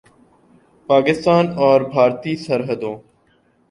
پاکستان اور بھارتی سرحدوں